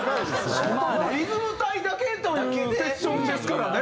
リズム隊だけというセッションですからね。